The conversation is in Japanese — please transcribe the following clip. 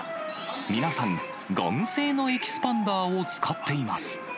皆さん、ゴム製のエキスパンダーを使っています。